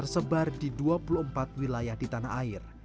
tersebar di dua puluh empat wilayah di tanah air